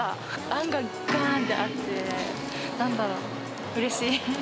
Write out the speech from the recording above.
あんががーんってあって、なんだろう、うれしい。